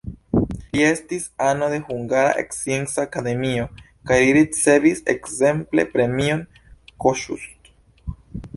Li estis ano de Hungara Scienca Akademio kaj li ricevis ekzemple premion Kossuth.